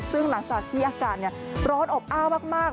ซึ่งหลังจากที่อากาศร้อนอบอ้าวมาก